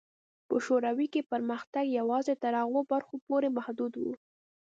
په شوروي کې پرمختګ یوازې تر هغو برخو پورې محدود و.